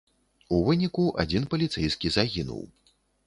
У выніку адзін паліцэйскі загінуў.